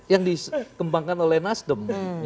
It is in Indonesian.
yang dikembangkan oleh nasdem